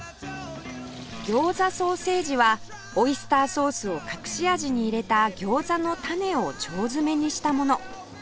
餃子ソーセージはオイスターソースを隠し味に入れた餃子の種を腸詰めにしたもの